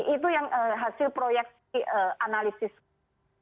itu yang hasil proyeksi analisis kami